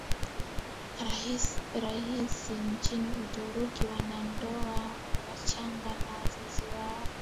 rahisi nchini Uturuki Wanandoa wachanga na wazazi wao